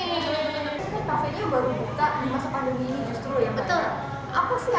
ini kafe nya baru buka di masa pandemi ini justru ya